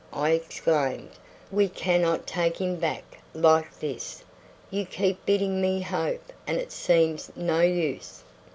I exclaimed, "we cannot take him back like this. You keep bidding me hope, and it seems no use."